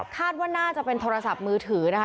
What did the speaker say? คาดว่าน่าจะเป็นโทรศัพท์มือถือนะคะ